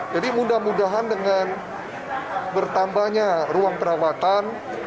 jadi mudah mudahan dengan bertambahnya ruang perawatan